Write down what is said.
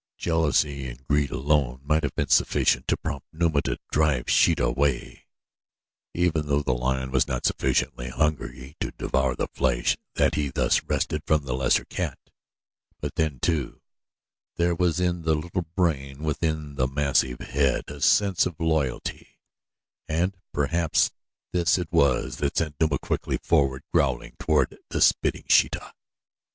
Jealousy and greed alone might have been sufficient to prompt Numa to drive Sheeta away, even though the lion was not sufficiently hungry to devour the flesh that he thus wrested from the lesser cat; but then, too, there was in the little brain within the massive head a sense of loyalty, and perhaps this it was that sent Numa quickly forward, growling, toward the spitting Sheeta.